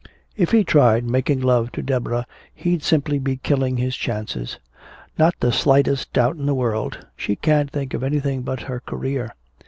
If he tried making love to Deborah he'd simply be killing his chances. Not the slightest doubt in the world. She can't think of anything but her career.